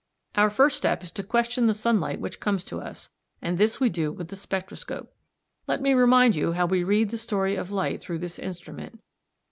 Our first step is to question the sunlight which comes to us; and this we do with the spectroscope. Let me remind you how we read the story of light through this instrument.